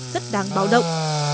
rất đáng báo động